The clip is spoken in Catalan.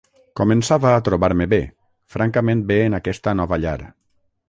Començava a trobar-me bé, francament bé en aquesta nova llar.